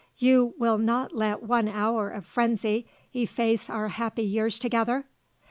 You will not let one hour of frenzy efface our happy years together?"